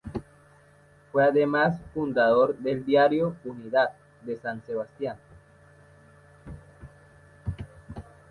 Fue además fundador del diario "Unidad" de San Sebastián.